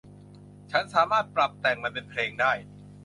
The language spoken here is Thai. ฉันสามารถปรับแต่งมันเป็นเพลงได้